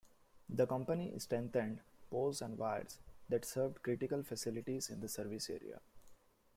The company strengthened poles and wires that served critical facilities in the service area.